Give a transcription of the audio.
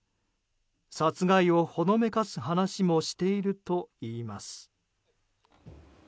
殺害をほのめかす話もしているといいます。